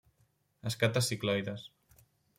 Escates cicloides.